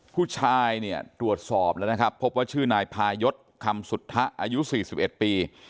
ผู้ชายเนี่ยตรวจสอบแล้วนะครับพบว่าชื่อนายพายศคำสุทธะอายุ๔๑ปี